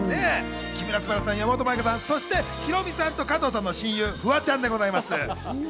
木村昴さん、山本舞香さん、そしてヒロミさんと加藤さんの親友・フワちゃんです。